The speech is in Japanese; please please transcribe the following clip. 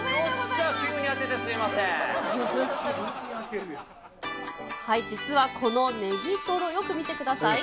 よっしゃ、急に当ててすみま実はこのネギトロ、よく見てください。